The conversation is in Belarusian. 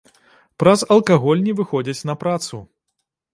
Праз алкаголь не выходзяць на працу.